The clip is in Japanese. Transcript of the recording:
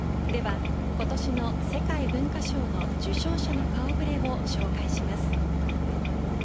今年の世界文化賞の受賞者の顔ぶれを紹介します。